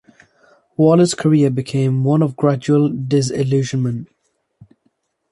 Waller's career became one of gradual disillusionment.